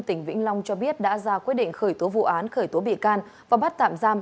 tỉnh vĩnh long cho biết đã ra quyết định khởi tố vụ án khởi tố bị can và bắt tạm giam